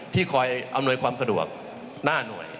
คอยอำนวยความสะดวกหน้าหน่วย